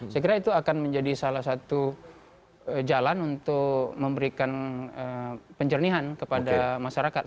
saya kira itu akan menjadi salah satu jalan untuk memberikan penjernihan kepada masyarakat